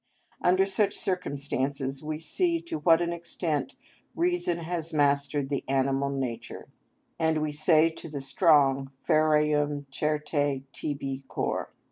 Under such circumstances we see to what an extent reason has mastered the animal nature, and we say to the strong: σιδηρειον νυ τοι ἡτορ! (ferreum certe tibi cor), Il.